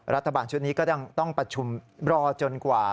รัฐบาลชุดนี้ก็ยังต้องประชุมรอจนกว่า